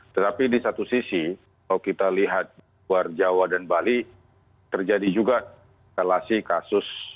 tetapi di satu sisi kalau kita lihat luar jawa dan bali terjadi juga kalasi kasus